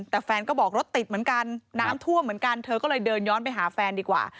แต่แฟนก็บอกรถติดเหมือนกันน้ำท่วมเหมือนกันเธอก็เลยเดินย้อนไปหาแฟนดีกว่า